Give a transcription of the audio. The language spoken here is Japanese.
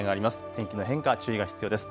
天気の変化、注意が必要です。